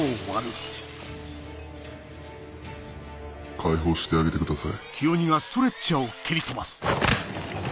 解放してあげてください。